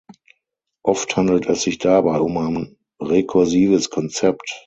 Oft handelt es sich dabei um ein rekursives Konzept.